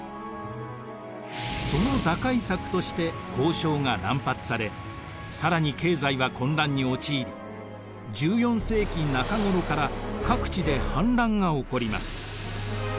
その打開策として交鈔が乱発され更に経済は混乱に陥り１４世紀中頃から各地で反乱が起こります。